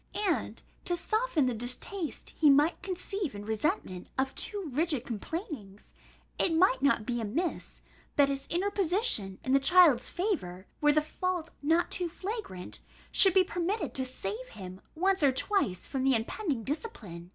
And, to soften the distaste he might conceive in resentment of too rigid complainings, it might not be amiss, that his interposition in the child's favour, were the fault not too flagrant, should be permitted to save him once or twice from the impending discipline.